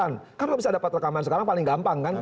karena kalau bisa dapat rekaman sekarang paling gampang kan